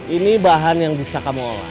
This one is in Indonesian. ini bahan yang bisa kamu olah